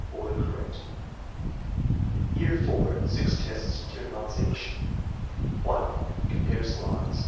Order correct.) Year IV. (6 tests, 2 months each.) 1. Compares lines.